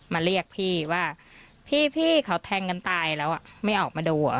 มาเรียกพี่ว่าพี่เขาแทงกันตายแล้วไม่ออกมาดูอ่ะ